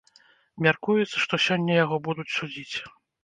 Мяркуецца, што сёння яго будуць судзіць.